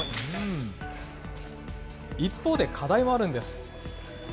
一方で課題もあるんです。